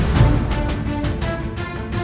sampai jumpa lagi